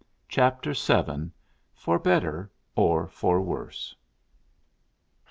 CHAPTER VII; FOR BETTER OR FOR WORSE.